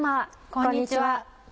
こんにちは。